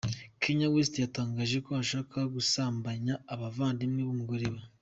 Kanye West yatangaje ko ashaka gusambanya abavandimwe b’umugore we.